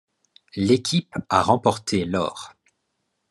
L'équipe a remporté l'or.